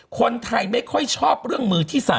คนไทยไม่ค่อยชอบเรื่องมือที่๓